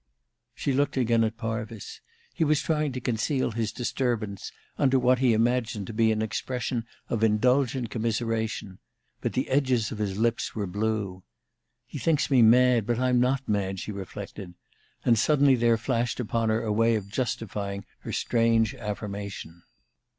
She looked again at Parvis. He was trying to conceal his disturbance under what he imagined to be an expression of indulgent commiseration; but the edges of his lips were blue. "He thinks me mad; but I'm not mad," she reflected; and suddenly there flashed upon her a way of justifying her strange affirmation.